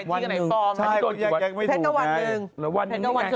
วันหนึ่ง